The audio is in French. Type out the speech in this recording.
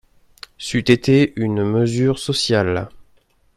C’eût été une mesure sociale